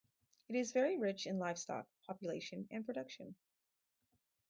It is very rich in livestock population and production.